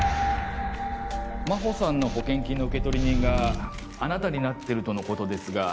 真帆さんの保険金の受取人があなたになってるとのことですが。